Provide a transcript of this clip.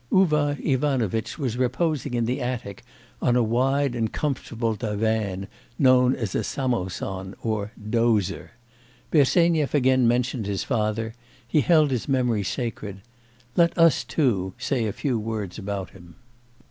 Uvar Ivanovitch was reposing in the attic on a wide and comfortable divan, known as a 'samo son' or 'dozer.' Bersenyev again mentioned his father; he held his memory sacred. Let us, too, say a few words about him.